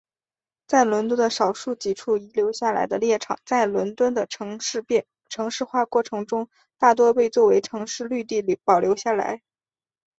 在伦敦的少数几处遗留下来的猎场在伦敦的城市化过程中大多被作为城市绿地保留下来。